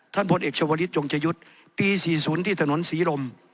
ท่านพลเอกชวริตจงจะหยุดปี๔๐ที่ถนนศรีลม